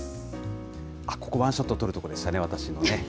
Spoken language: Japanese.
ここはワンショットとるところでしたね、私のね。